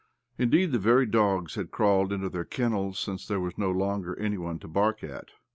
Indeed, the very dogs had crawled into their kennels, since there was no longer any one to bark at.